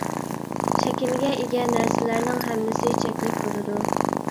شەكىلگە ئىگە نەرسىلەرنىڭ ھەممىسى چەكلىك بولىدۇ.